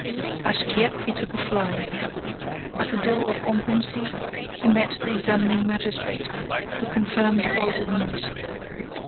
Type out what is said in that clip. At Dieppe, he took a fly. At the door of Ambrumésy, he met the examining magistrate, who confirmed the horrible news.